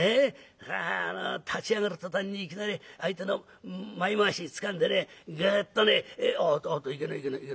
あの立ち上がる途端にいきなり相手の前まわしつかんでねグっとねおっとおっといけねえいけねえ」。